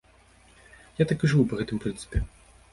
Я так і жыву, па гэтым прынцыпе.